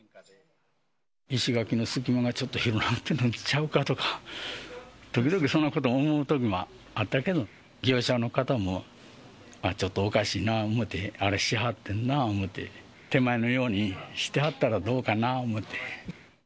石垣の隙間がちょっと広がってるんちゃうかとか、時々そんなことを思うときもあったけど、業者の方も、ちょっとおかしいな思うて、あれしはってんな思って、手前のようにしてはったらどうかな思って。